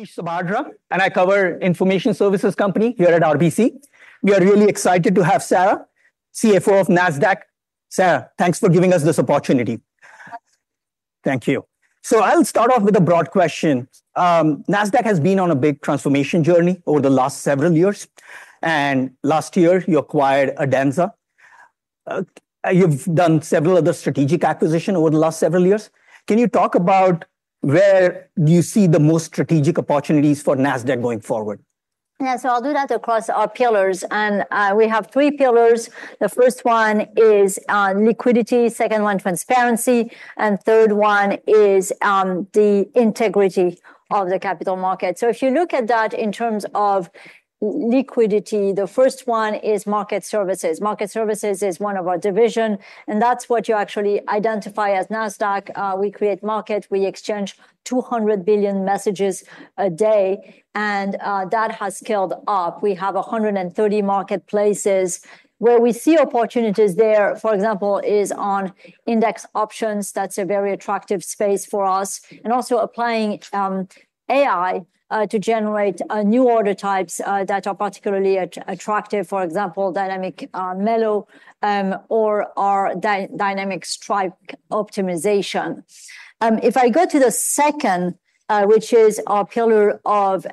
Sabadra. I cover information services companies here at RBC. We are really excited to have Sarah, CFO of Nasdaq. Sarah, thanks for giving us this opportunity. Thank you. So I'll start off with a broad question. Nasdaq has been on a big transformation journey over the last several years, and last year, you acquired Adenza. You've done several other strategic acquisitions over the last several years. Can you talk about where do you see the most strategic opportunities for Nasdaq going forward? Yeah, so I'll do that across our pillars. And we have three pillars. The first one is liquidity, the second one is transparency, and the third one is the integrity of the capital market. So if you look at that in terms of liquidity, the first one is Market Services. Market Services is one of our divisions. And that's what you actually identify as Nasdaq. We create markets. We exchange 200 billion messages a day. And that has scaled up. We have 130 marketplaces where we see opportunities there. For example, is on index options. That's a very attractive space for us. And also applying AI to generate new order types that are particularly attractive, for example, Dynamic M-ELO or our Dynamic Strike Optimization. If I go to the second, which is our pillar of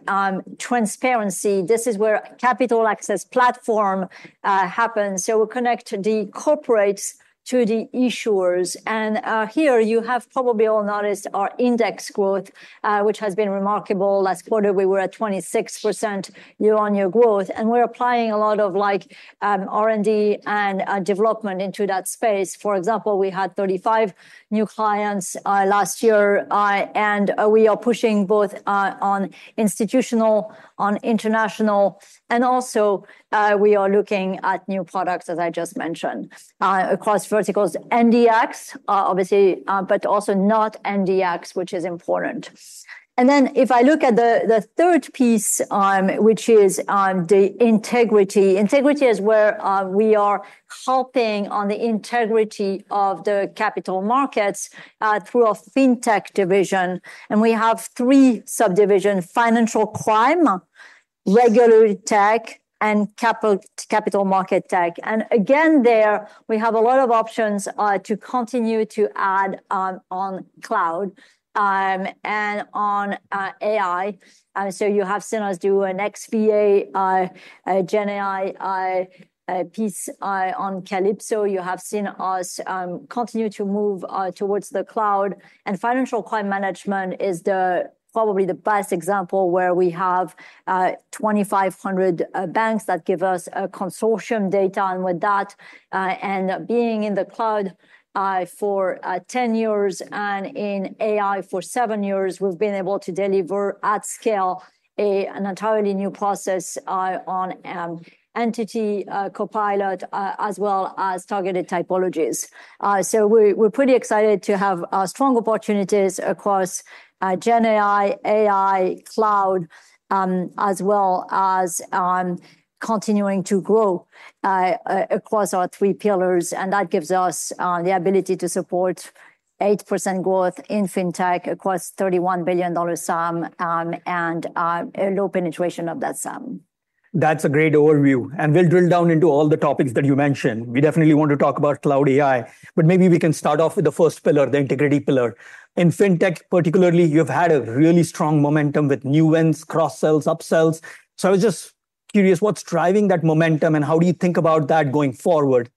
transparency, this is where Capital Access Platform happens. So we connect the corporates to the issuers. And here, you have probably all noticed our index growth, which has been remarkable. Last quarter, we were at 26% year-on-year growth. And we're applying a lot of R&D and development into that space. For example, we had 35 new clients last year. And we are pushing both on institutional, on international, and also we are looking at new products, as I just mentioned, across verticals, NDX, obviously, but also not NDX, which is important. And then if I look at the third piece, which is the integrity, integrity is where we are helping on the integrity of the capital markets through our fintech division. And we have three subdivisions: financial crime, regulatory tech, and capital market tech. And again, there, we have a lot of options to continue to add on cloud and on AI. So you have seen us do an XVA, GenAI piece on Calypso. You have seen us continue to move towards the cloud. And Financial Crime Management is probably the best example where we have 2,500 banks that give us consortium data. And with that, and being in the cloud for 10 years and in AI for 7 years, we've been able to deliver at scale an entirely new process on Entity Copilot as well as targeted typologies. So we're pretty excited to have strong opportunities across GenAI, AI, cloud, as well as continuing to grow across our three pillars. And that gives us the ability to support 8% growth in fintech across $31 billion AUM and low penetration of that AUM. That's a great overview. And we'll drill down into all the topics that you mentioned. We definitely want to talk about cloud AI. But maybe we can start off with the first pillar, the integrity pillar. In fintech, particularly, you've had a really strong momentum with new wins, cross-sells, upsells. So I was just curious, what's driving that momentum and how do you think about that going forward?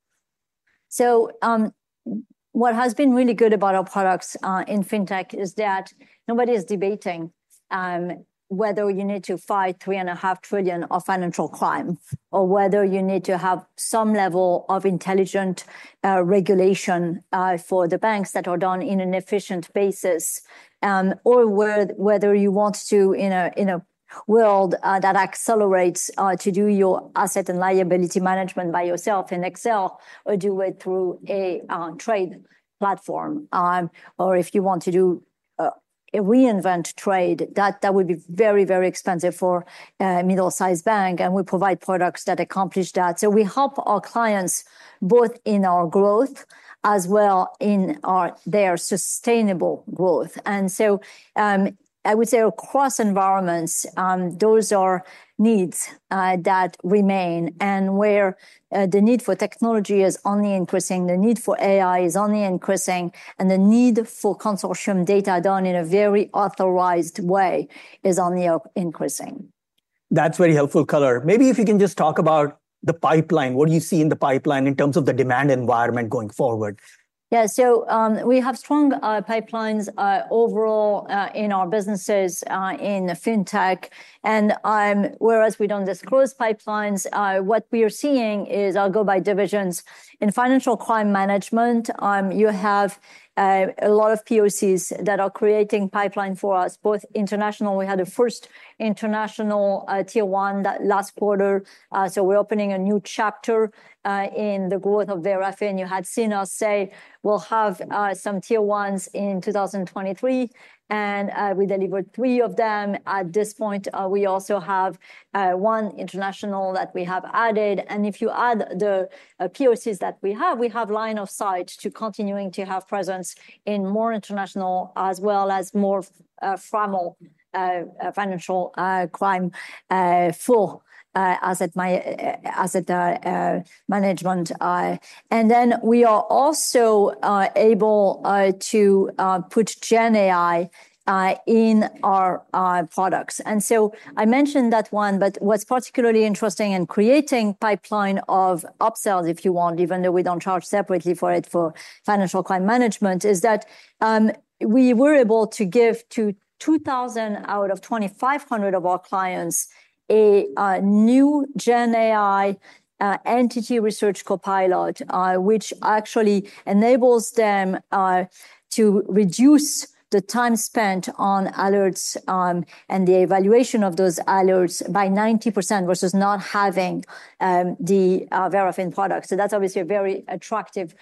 So what has been really good about our products in fintech is that nobody is debating whether you need to fight $3.5 trillion of financial crime or whether you need to have some level of intelligent regulation for the banks that are done on an efficient basis, or whether you want to, in a world that accelerates, to do your asset and liability management by yourself in Excel or do it through a trade platform. Or if you want to reinvent trade, that would be very, very expensive for a middle-sized bank. And we provide products that accomplish that. So we help our clients both in our growth as well as in their sustainable growth. And so I would say across environments, those are needs that remain. Where the need for technology is only increasing, the need for AI is only increasing, and the need for consortium data done in a very authorized way is only increasing. That's very helpful color. Maybe if you can just talk about the pipeline, what do you see in the pipeline in terms of the demand environment going forward? Yeah, so we have strong pipelines overall in our businesses in fintech. And whereas we don't disclose pipelines, what we are seeing is I'll go by divisions. In Financial Crime Management, you have a lot of POCs that are creating pipelines for us, both international. We had the first international Tier 1 last quarter. So we're opening a new chapter in the growth of Verafin. And you had seen us say we'll have some tier ones in 2023. And we delivered three of them. At this point, we also have one international that we have added. And if you add the POCs that we have, we have line of sight to continuing to have presence in more international as well as more formal financial crime for asset management. And then we are also able to put GenAI in our products. And so I mentioned that one. But what's particularly interesting and creating a pipeline of upsells, if you want, even though we don't charge separately for it for Financial Crime Management, is that we were able to give to 2,000 out of 2,500 of our clients a new GenAI Entity Research Copilot, which actually enables them to reduce the time spent on alerts and the evaluation of those alerts by 90% versus not having the Verafin product. So that's obviously a very attractive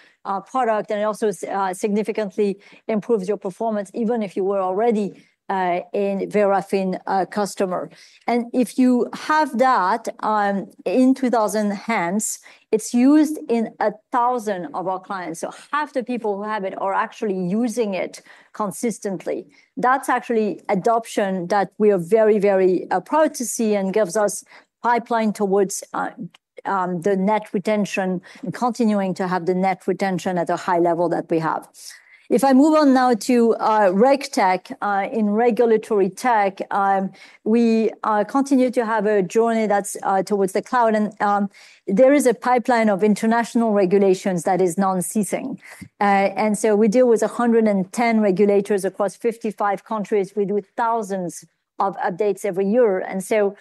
product. And it also significantly improves your performance even if you were already a Verafin customer. And if you have that in 2,000 hands, it's used in 1,000 of our clients. So half the people who have it are actually using it consistently. That's actually adoption that we are very, very proud to see, and gives us pipeline towards the net retention and continuing to have the net retention at a high level that we have. If I move on now to regtech in regulatory tech, we continue to have a journey that's towards the cloud, and there is a pipeline of international regulations that is non-ceasing, and so we deal with 110 regulators across 55 countries. We do thousands of updates every year, and so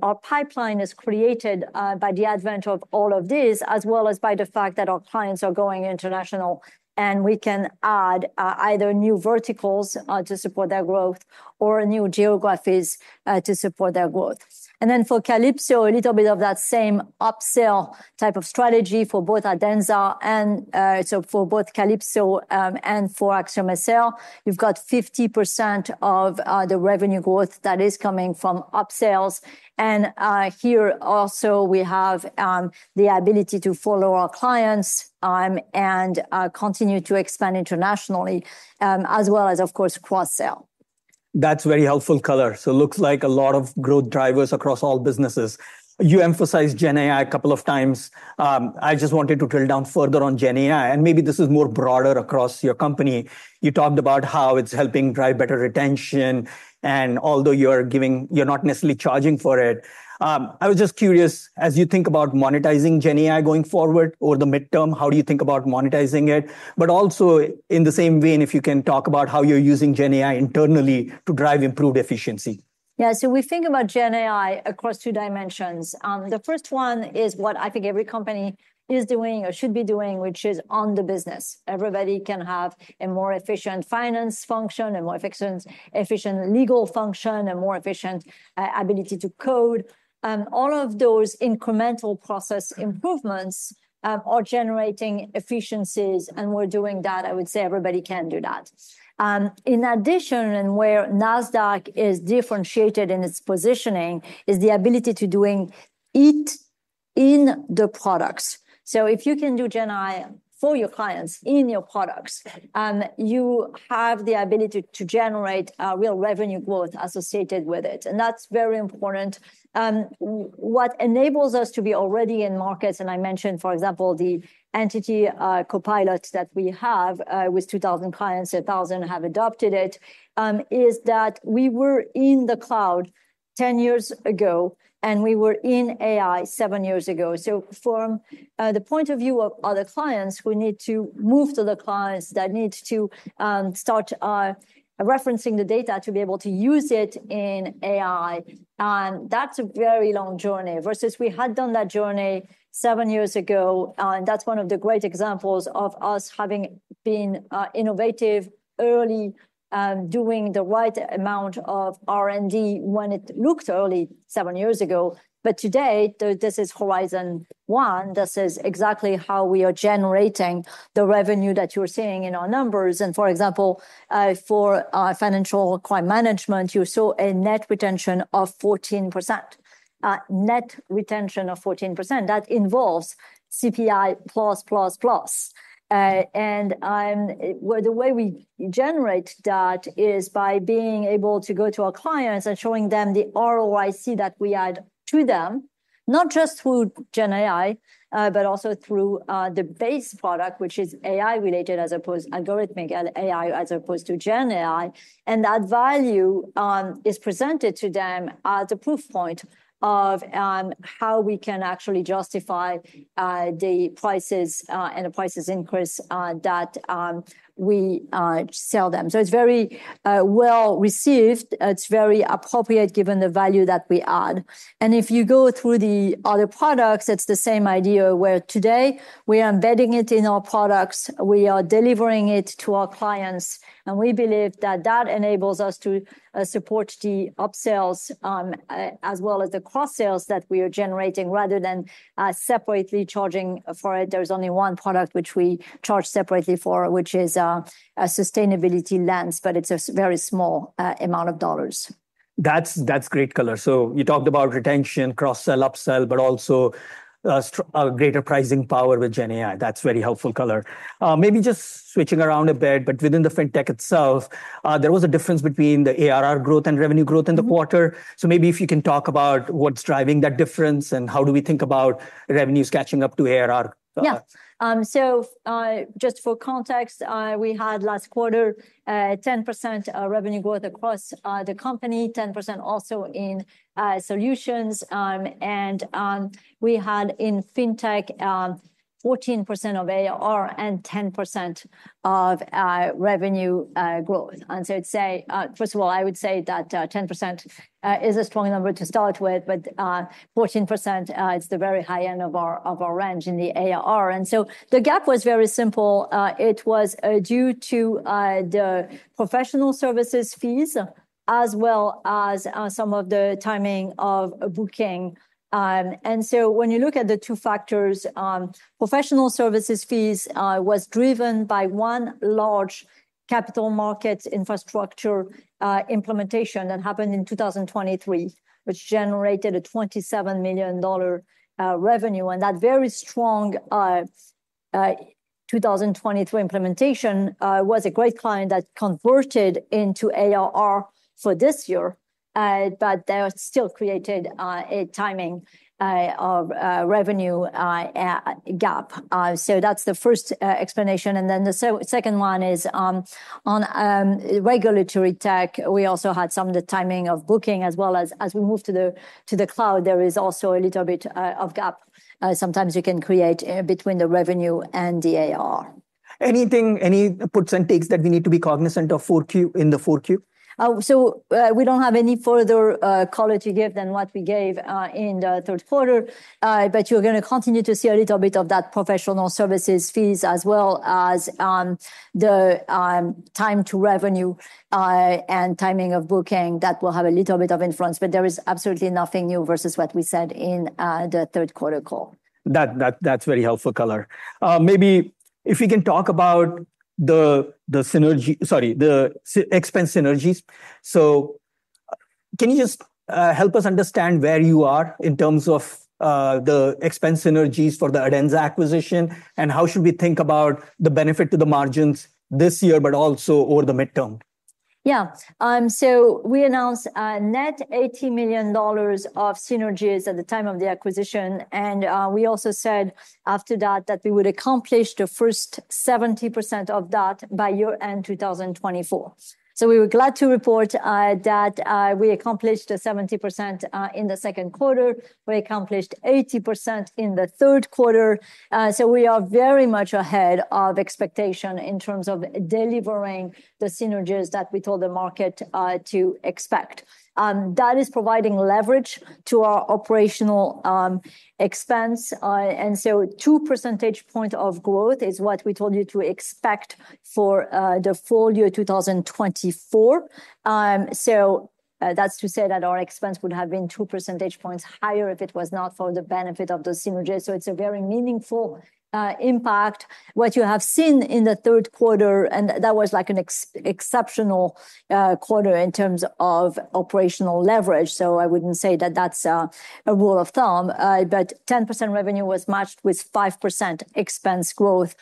our pipeline is created by the advent of all of this, as well as by the fact that our clients are going international, and we can add either new verticals to support their growth or new geographies to support their growth, and then for Calypso, a little bit of that same upsell type of strategy for both Adenza and so for both Calypso and for AxiomSL. You've got 50% of the revenue growth that is coming from upsells. And here also, we have the ability to follow our clients and continue to expand internationally, as well as, of course, cross-sell. That's very helpful color. So it looks like a lot of growth drivers across all businesses. You emphasized GenAI a couple of times. I just wanted to drill down further on GenAI, and maybe this is more broader across your company. You talked about how it's helping drive better retention, and although you're giving, you're not necessarily charging for it. I was just curious, as you think about monetizing GenAI going forward over the midterm, how do you think about monetizing it, but also in the same vein, if you can talk about how you're using GenAI internally to drive improved efficiency. Yeah, so we think about GenAI across two dimensions. The first one is what I think every company is doing or should be doing, which is on the business. Everybody can have a more efficient finance function, a more efficient legal function, a more efficient ability to code. All of those incremental process improvements are generating efficiencies. And we're doing that. I would say everybody can do that. In addition, and where Nasdaq is differentiated in its positioning is the ability to do it in the products. So if you can do GenAI for your clients in your products, you have the ability to generate real revenue growth associated with it. And that's very important. What enables us to be already in markets, and I mentioned, for example, the Entity Copilot that we have with 2,000 clients, 1,000 have adopted it, is that we were in the cloud 10 years ago, and we were in AI seven years ago. So from the point of view of other clients, we need to move to the clients that need to start referencing the data to be able to use it in AI. And that's a very long journey versus we had done that journey seven years ago. And that's one of the great examples of us having been innovative early, doing the right amount of R&D when it looked early seven years ago. But today, this is horizon one that says exactly how we are generating the revenue that you're seeing in our numbers. For example, for Financial Crime Management, you saw a net retention of 14%, net retention of 14%. That involves CPI plus, plus, plus. The way we generate that is by being able to go to our clients and showing them the ROIC that we add to them, not just through GenAI, but also through the base product, which is AI related as opposed to algorithmic AI as opposed to GenAI. That value is presented to them as a proof point of how we can actually justify the prices and the prices increase that we sell them. So it's very well received. It's very appropriate given the value that we add. If you go through the other products, it's the same idea where today we are embedding it in our products. We are delivering it to our clients. And we believe that that enables us to support the upsells as well as the cross-sells that we are generating rather than separately charging for it. There's only one product which we charge separately for, which is a sustainability lens. But it's a very small amount of dollars. That's great color. So you talked about retention, cross-sell, upsell, but also greater pricing power with GenAI. That's very helpful color. Maybe just switching around a bit, but within the fintech itself, there was a difference between the ARR growth and revenue growth in the quarter. So maybe if you can talk about what's driving that difference and how do we think about revenues catching up to ARR. Yeah. So just for context, we had last quarter 10% revenue growth across the company, 10% also in solutions. And we had in fintech 14% of ARR and 10% of revenue growth. And so I'd say, first of all, I would say that 10% is a strong number to start with. But 14%, it's the very high end of our range in the ARR. And so the gap was very simple. It was due to the professional services fees as well as some of the timing of booking. And so when you look at the two factors, professional services fees was driven by one large capital market infrastructure implementation that happened in 2023, which generated a $27 million revenue. And that very strong 2023 implementation was a great client that converted into ARR for this year. But that still created a timing of revenue gap. So that's the first explanation. And then the second one is on regulatory tech. We also had some of the timing of booking. As well as we move to the cloud, there is also a little bit of gap. Sometimes you can create between the revenue and the ARR. Anything, any percent takes that we need to be cognizant of in the 4Q? So we don't have any further color to give than what we gave in the third quarter. But you're going to continue to see a little bit of that professional services fees as well as the time to revenue and timing of booking that will have a little bit of influence. But there is absolutely nothing new versus what we said in the third quarter call. That's very helpful color. Maybe if we can talk about the synergy, sorry, the expense synergies, so can you just help us understand where you are in terms of the expense synergies for the Adenza acquisition? And how should we think about the benefit to the margins this year, but also over the midterm? Yeah. So we announced a net $80 million of synergies at the time of the acquisition. And we also said after that that we would accomplish the first 70% of that by year end 2024. So we were glad to report that we accomplished the 70% in the second quarter. We accomplished 80% in the third quarter. So we are very much ahead of expectation in terms of delivering the synergies that we told the market to expect. That is providing leverage to our operational expense. And so 2 percentage points of growth is what we told you to expect for the full year 2024. So that's to say that our expense would have been 2 percentage points higher if it was not for the benefit of the synergies. So it's a very meaningful impact. What you have seen in the third quarter, and that was like an exceptional quarter in terms of operational leverage. So I wouldn't say that that's a rule of thumb. But 10% revenue was matched with 5% expense growth.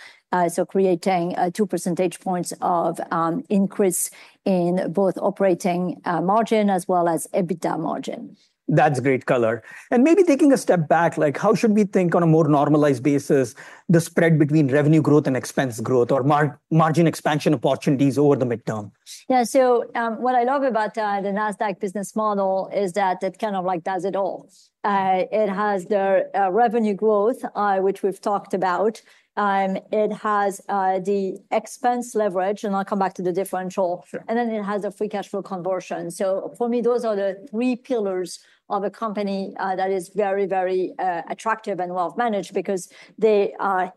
So creating 2 percentage points of increase in both operating margin as well as EBITDA margin. That's great color. And maybe taking a step back, like how should we think on a more normalized basis the spread between revenue growth and expense growth or margin expansion opportunities over the midterm? Yeah, so what I love about the Nasdaq business model is that it kind of like does it all. It has the revenue growth, which we've talked about. It has the expense leverage, and I'll come back to the differential, and then it has a free cash flow conversion, so for me, those are the three pillars of a company that is very, very attractive and well managed because they are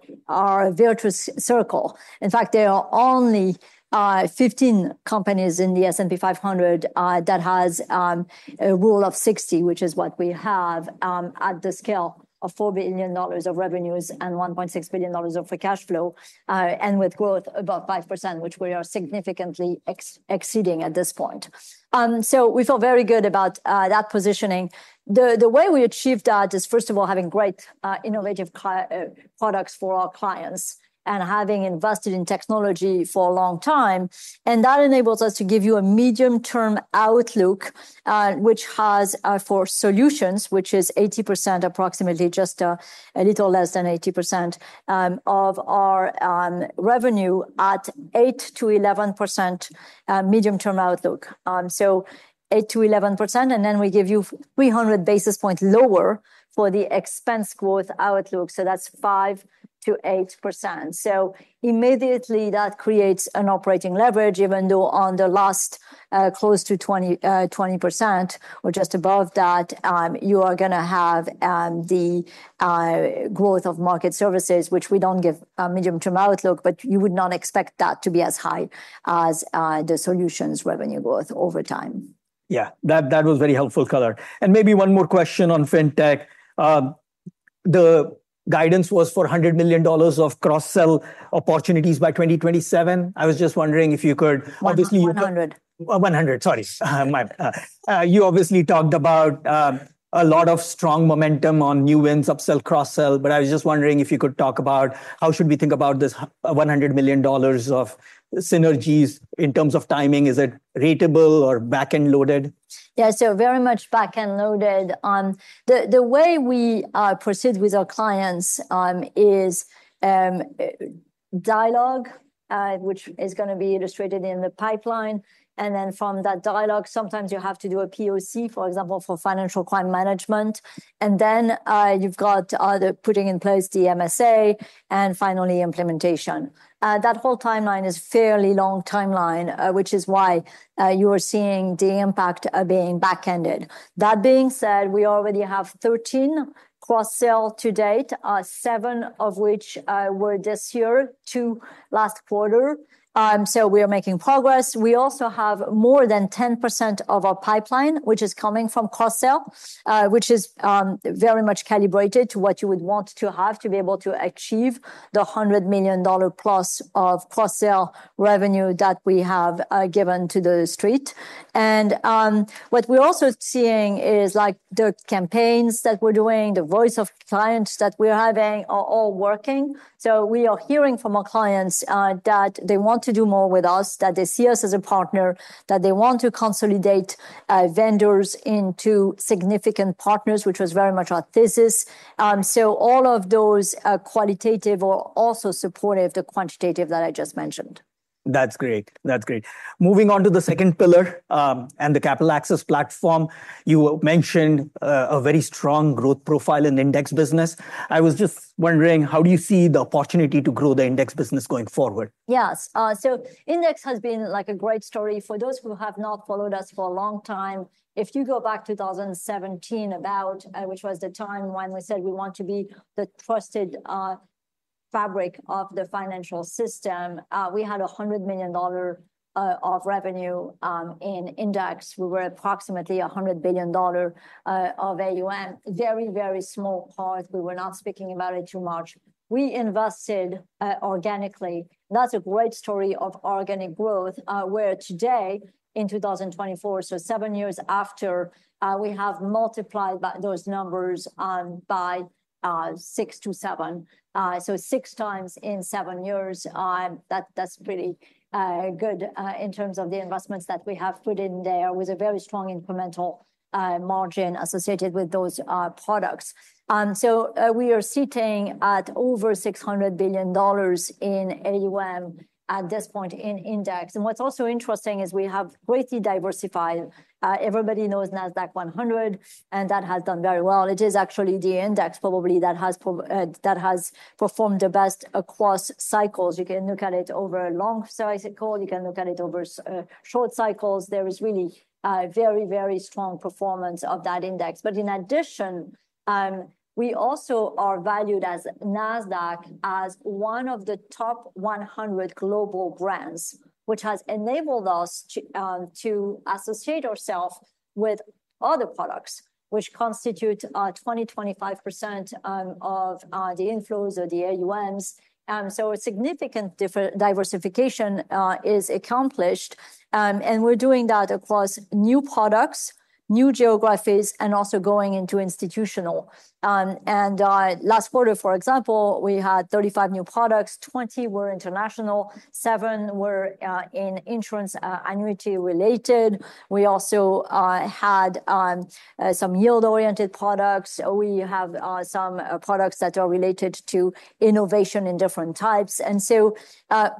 a virtuous circle. In fact, there are only 15 companies in the S&P 500 that has a Rule of 60, which is what we have at the scale of $4 billion of revenues and $1.6 billion of free cash flow and with growth above 5%, which we are significantly exceeding at this point, so we feel very good about that positioning. The way we achieved that is, first of all, having great innovative products for our clients and having invested in technology for a long time. And that enables us to give you a medium-term outlook, which has for solutions, which is approximately 80%, just a little less than 80% of our revenue at 8%-11% medium-term outlook. So 8%-11%. And then we give you 300 basis points lower for the expense growth outlook. So that's 5%-8%. So immediately that creates an operating leverage, even though on the last close to 20% or just above that, you are going to have the growth of Market Services, which we don't give a medium-term outlook, but you would not expect that to be as high as the solutions revenue growth over time. Yeah, that was very helpful color. And maybe one more question on fintech. The guidance was for $100 million of cross-sell opportunities by 2027. I was just wondering if you could? 100. 100, sorry. You obviously talked about a lot of strong momentum on new wins, upsell, cross-sell. But I was just wondering if you could talk about how should we think about this $100 million of synergies in terms of timing? Is it ratable or back-end loaded? Yeah, so very much back-end loaded. The way we proceed with our clients is dialogue, which is going to be illustrated in the pipeline. From that dialogue, sometimes you have to do a POC, for example, for Financial Crime Management. Then you've got putting in place the MSA and finally implementation. That whole timeline is a fairly long timeline, which is why you are seeing the impact being back-ended. That being said, we already have 13 cross-sell to date, seven of which were this year, two last quarter. We are making progress. We also have more than 10% of our pipeline, which is coming from cross-sell, which is very much calibrated to what you would want to have to be able to achieve the $100+ million of cross-sell revenue that we have given to the street. And what we're also seeing is like the campaigns that we're doing, the voice of clients that we're having are all working. So we are hearing from our clients that they want to do more with us, that they see us as a partner, that they want to consolidate vendors into significant partners, which was very much our thesis. So all of those qualitative are also supportive of the quantitative that I just mentioned. That's great. That's great. Moving on to the second pillar and the Capital Access Platform, you mentioned a very strong growth profile in index business. I was just wondering, how do you see the opportunity to grow the index business going forward? Yes, so index has been like a great story. For those who have not followed us for a long time, if you go back to 2017, which was the time when we said we want to be the trusted fabric of the financial system, we had $100 million of revenue in index. We were approximately $100 billion of AUM. Very, very small part. We were not speaking about it too much. We invested organically. That's a great story of organic growth where today in 2024, so seven years after, we have multiplied those numbers by six to seven. So six times in seven years. That's really good in terms of the investments that we have put in there with a very strong incremental margin associated with those products. So we are sitting at over $600 billion in AUM at this point in index. And what's also interesting is we have greatly diversified. Everybody knows Nasdaq-100, and that has done very well. It is actually the index probably that has performed the best across cycles. You can look at it over a long cycle. You can look at it over short cycles. There is really very, very strong performance of that index. But in addition, we also are valued as Nasdaq as one of the top 100 global brands, which has enabled us to associate ourselves with other products, which constitute 20%, 25% of the inflows or the AUMs. So a significant diversification is accomplished. And we're doing that across new products, new geographies, and also going into institutional. And last quarter, for example, we had 35 new products. 20 were international. Seven were in insurance annuity-related. We also had some yield-oriented products. We have some products that are related to innovation in different types, and so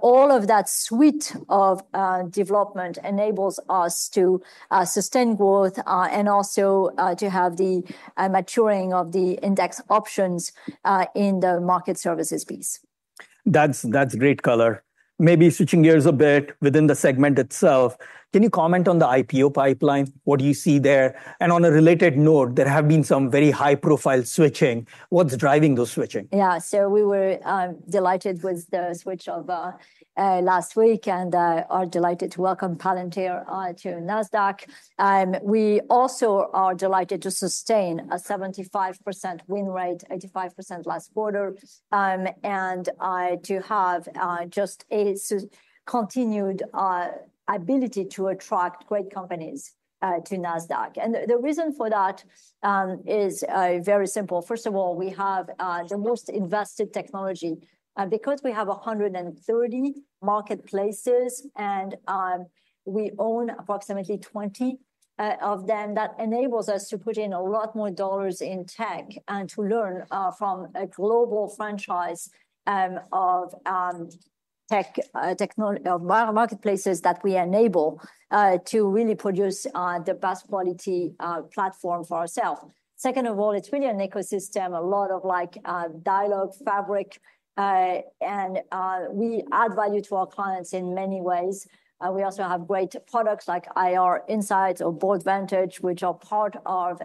all of that suite of development enables us to sustain growth and also to have the maturing of the index options in the Market Services piece. That's great color. Maybe switching gears a bit within the segment itself, can you comment on the IPO pipeline? What do you see there? And on a related note, there have been some very high-profile switches. What's driving those switches? Yeah. So we were delighted with the switch last week and are delighted to welcome Palantir to Nasdaq. We also are delighted to sustain a 75% win rate, 85% last quarter, and to have just a continued ability to attract great companies to Nasdaq. And the reason for that is very simple. First of all, we have the most invested technology. Because we have 130 marketplaces and we own approximately 20 of them, that enables us to put in a lot more dollars in tech and to learn from a global franchise of marketplaces that we enable to really produce the best quality platform for ourselves. Second of all, it's really an ecosystem, a lot of dialogue fabric. And we add value to our clients in many ways. We also have great products like IR Insight or Boardvantage, which are part of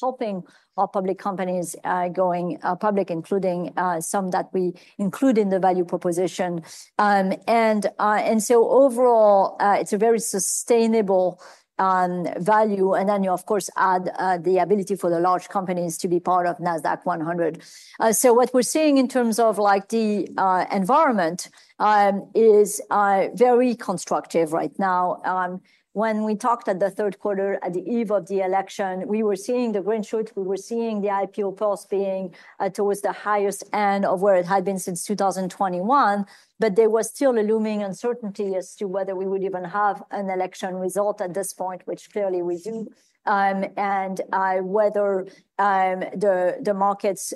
helping our public companies going public, including some that we include in the value proposition, and so overall, it's a very sustainable value, and then you, of course, add the ability for the large companies to be part of Nasdaq-100, so what we're seeing in terms of the environment is very constructive right now. When we talked at the third quarter at the eve of the election, we were seeing the green shoot. We were seeing the IPO pulse being towards the highest end of where it had been since 2021. But there was still a looming uncertainty as to whether we would even have an election result at this point, which clearly we do, and whether the markets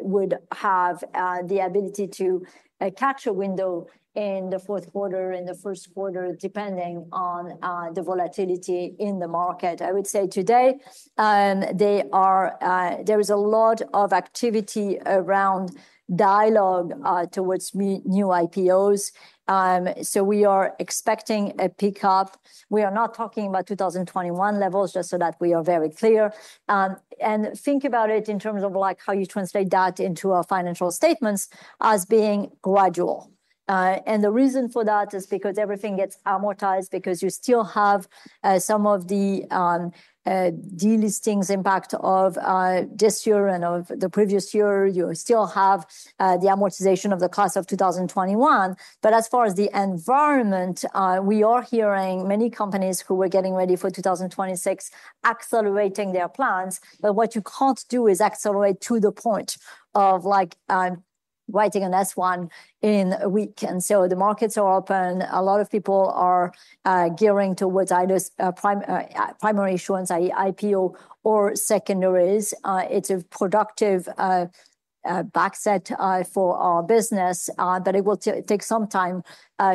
would have the ability to catch a window in the fourth quarter, in the first quarter, depending on the volatility in the market. I would say today there is a lot of activity around dialogue towards new IPOs. So we are expecting a pickup. We are not talking about 2021 levels, just so that we are very clear. And think about it in terms of how you translate that into our financial statements as being gradual. And the reason for that is because everything gets amortized, because you still have some of the delistings impact of this year and of the previous year. You still have the amortization of the cost of 2021. As far as the environment, we are hearing many companies who are getting ready for 2026 accelerating their plans. But what you can't do is accelerate to the point of writing an S-1 in a week. And so the markets are open. A lot of people are gearing towards either primary issuance, i.e., IPO, or secondaries. It's a productive backdrop for our business. But it will take some time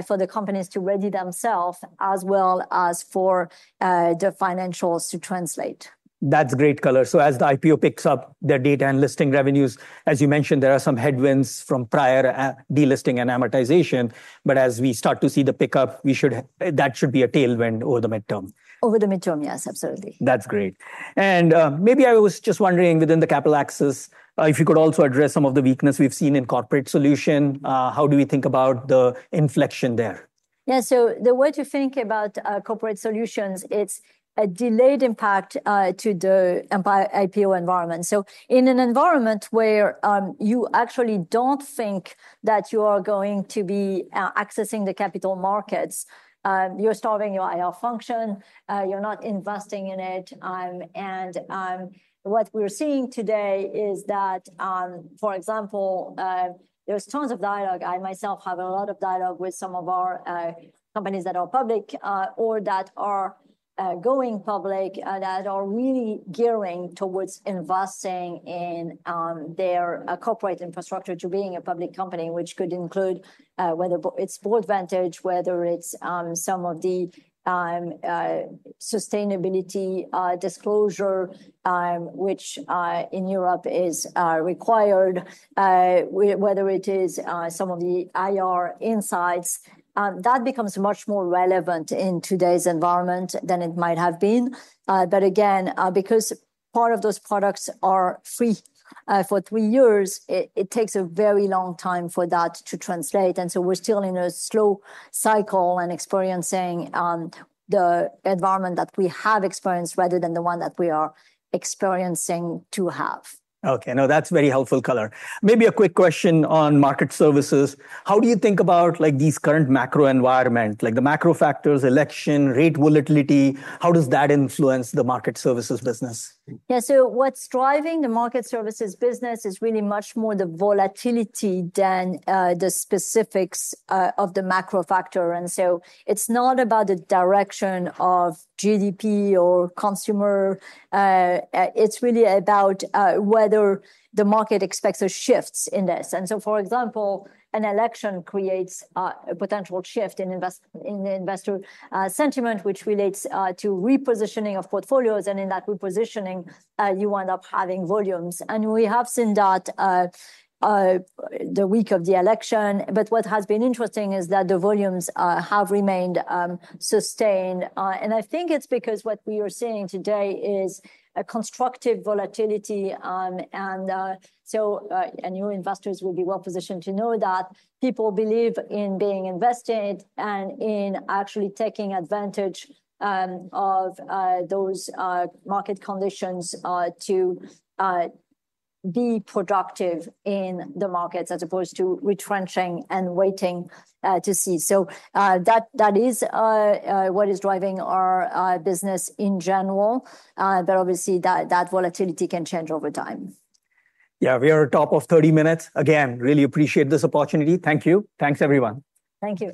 for the companies to ready themselves as well as for the financials to translate. That's great color. So as the IPO picks up their data and listing revenues, as you mentioned, there are some headwinds from prior delisting and amortization. But as we start to see the pickup, that should be a tailwind over the midterm. Over the midterm, yes, absolutely. That's great, and maybe I was just wondering within the capital access if you could also address some of the weakness we've seen in corporate solution. How do we think about the inflection there? Yeah. So the way to think about corporate solutions, it's a delayed impact to the IPO environment. So in an environment where you actually don't think that you are going to be accessing the capital markets, you're starving your IR function, you're not investing in it. And what we're seeing today is that, for example, there's tons of dialogue. I myself have a lot of dialogue with some of our companies that are public or that are going public that are really gearing towards investing in their corporate infrastructure to being a public company, which could include whether it's Boardvantage, whether it's some of the sustainability disclosure, which in Europe is required, whether it is some of the IR Insight. That becomes much more relevant in today's environment than it might have been. But again, because part of those products are free for three years, it takes a very long time for that to translate. And so we're still in a slow cycle and experiencing the environment that we have experienced rather than the one that we are experiencing to have. Okay. No, that's very helpful color. Maybe a quick question on Market Services. How do you think about these current macro environment, like the macro factors, election, rate volatility? How does that influence the Market Services business? Yeah. So what's driving the Market Services business is really much more the volatility than the specifics of the macro factor. And so it's not about the direction of GDP or consumer. It's really about whether the market expects a shift in this. And so, for example, an election creates a potential shift in investor sentiment, which relates to repositioning of portfolios. And in that repositioning, you end up having volumes. And we have seen that the week of the election. But what has been interesting is that the volumes have remained sustained. And I think it's because what we are seeing today is a constructive volatility. And so new investors will be well positioned to know that people believe in being invested and in actually taking advantage of those market conditions to be productive in the markets as opposed to retrenching and waiting to see. So that is what is driving our business in general. But obviously, that volatility can change over time. Yeah. We are at top of 30 minutes. Again, really appreciate this opportunity. Thank you. Thanks, everyone. Thank you.